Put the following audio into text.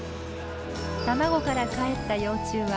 卵からかえった幼虫は足が６本。